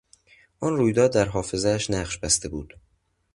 آن رویداد در حافظهاش نقش بسته بود.